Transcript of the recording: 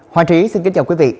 hoa trí xin kính chào quý vị